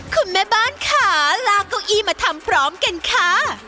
คุณแม่บ้านค่ะลากเก้าอี้มาทำพร้อมกันค่ะ